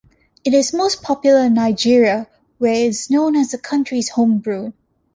It is most popular in Nigeria, where it is known as the country's homebrew.